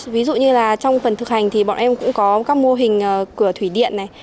ví dụ như là trong phần thực hành thì bọn em cũng có các mô hình cửa thủy điện này